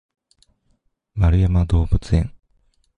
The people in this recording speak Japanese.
円山動物園